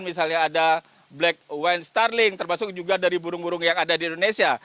misalnya ada black wine starling termasuk juga dari burung burung yang ada di indonesia